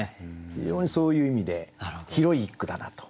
非常にそういう意味で広い一句だなと。